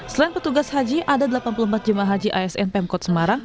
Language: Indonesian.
selain petugas haji ada delapan puluh empat jemaah haji asn pemkot semarang